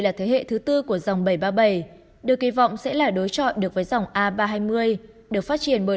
là thế hệ thứ tư của dòng bảy trăm ba mươi bảy được kỳ vọng sẽ là đối trọi được với dòng a ba trăm hai mươi được phát triển bởi